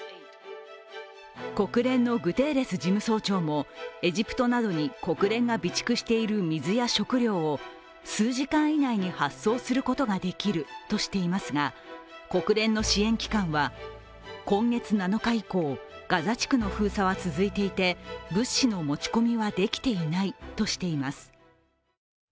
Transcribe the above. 国連のグテーレス事務総長もエジプトなどに国連が備蓄している水や食料を数時間以内に発送することができるとしていますが、国連の支援機関は、今月７日以降、ガザ地区の封鎖は続いていて物資の持ち込みはできていないとしています。